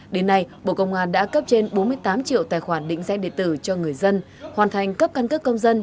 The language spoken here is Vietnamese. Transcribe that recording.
đến nay bộ công an đã cấp trên bốn mươi tám triệu tài khoản định danh địa tử cho người dân hoàn thành cấp căn cước công dân